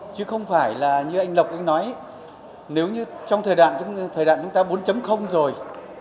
chứ không phải là như anh lộc anh nói nếu như trong thời đại chúng ta bốn rồi